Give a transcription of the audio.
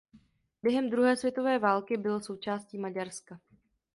Během druhé světové války bylo součástí Maďarska.